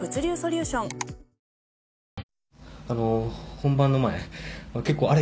本番前、結構あれ？